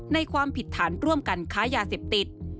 ความผิดฐานร่วมกันค้ายาเสพติด